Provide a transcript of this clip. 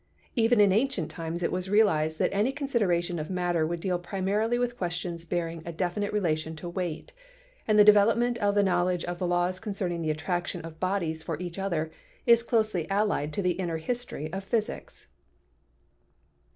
Even in ancient times it was realized that any consideration of mat ter would deal primarily with questions bearing a definite relation to weight, and the development of the knowledge of the laws concerning the attraction of bodies for each other is closely allied to the inner history of Physics.